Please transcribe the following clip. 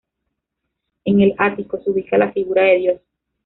En el ático se ubica la figura de Dios.